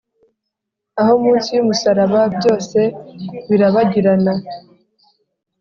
aho munsi yumusaraba byose birabagirana